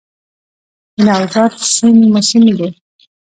د نوزاد سیند موسمي دی